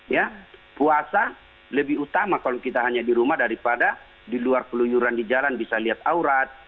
ya puasa lebih utama kalau kita hanya di rumah daripada di luar peluyuran di jalan bisa lihat aurat